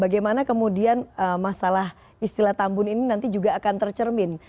bagaimana kemudian masalah istilah tambun ini nanti juga akan tercermin